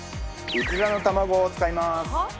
うずらの卵を使います。